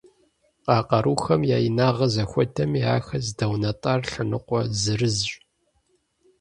А къарухэм я инагъыр зэхуэдэми, ахэр здэунэтӏар лъэныкъуэ зырызщ.